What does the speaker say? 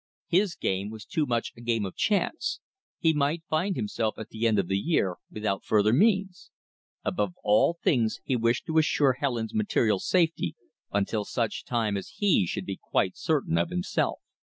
His game was too much a game of chance. He might find himself at the end of the year without further means. Above all things he wished to assure Helen's material safety until such time as he should be quite certain of himself.